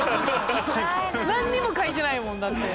何にも描いてないもんだって。